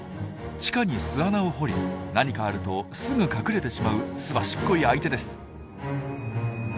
地下に巣穴を掘り何かあるとすぐ隠れてしまうすばしっこい相手です。